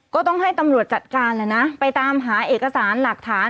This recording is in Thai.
ก็ต้องให้ตำรวจจัดการแหละนะไปตามหาเอกสารหลักฐาน